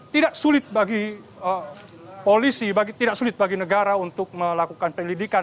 tidak sulit bagi polisi tidak sulit bagi negara untuk melakukan penyelidikan